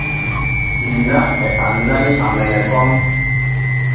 Inna e annani amene kon.